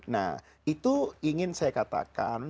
nah itu ingin saya katakan